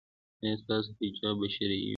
ایا ستاسو حجاب به شرعي وي؟